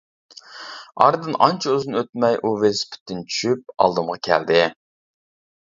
ئارىدىن ئانچە ئۇزۇن ئۆتمەي ئۇ ۋېلىسىپىتتىن چۈشۈپ ئالدىمغا كەلدى.